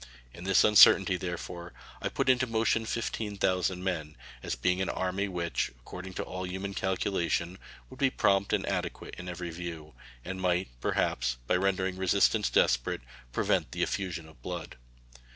In this uncertainty, therefore, I put into motion fifteen thousand men, as being an army which, according to all human calculation, would be prompt and adequate in every view, and might, perhaps, by rendering resistance desperate, prevent the effusion of blood.